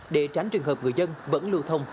để tránh trường hợp người dân vẫn lưu thông